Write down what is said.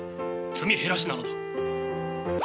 積み減らしなのだ。